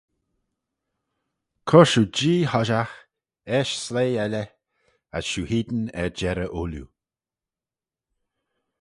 Cur shiu Jee hoshiaght, eisht sleih elley, as shiu hene er jerrey ooilley.